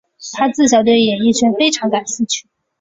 她自小对演艺圈非常感兴趣。